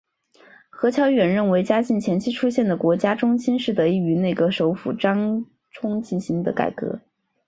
何乔远认为嘉靖前期出现的国家中兴是得益于内阁首辅张璁推行的改革。